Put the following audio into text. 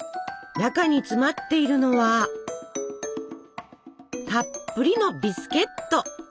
中に詰まっているのはたっぷりのビスケット。